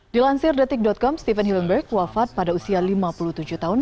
dilansir detik com stephn hillenburg wafat pada usia lima puluh tujuh tahun